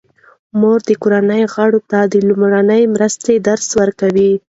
مور د کورنۍ غړو ته د لومړنۍ مرستې درس ورکوي.